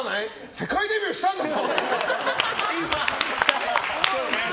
世界デビューしたんだぞ！